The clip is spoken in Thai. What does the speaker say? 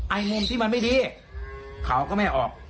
มุมที่มันไม่ดีเขาก็ไม่ออก